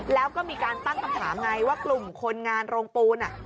แล้วก็มีการตั้งคำถามไงว่ากลุ่มคนงานโรงปูน